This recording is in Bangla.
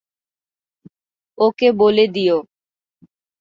ওকে বলে দিও।